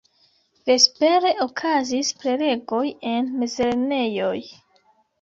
Vespere okazis prelegoj en mezlernejoj.